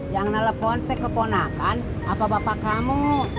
yang nelpon ke keponakan apa bapak kamu